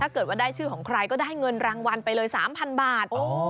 ถ้าเกิดว่าได้ชื่อของใครก็ได้เงินรางวัลไปเลยสามพันบาทอ๋อ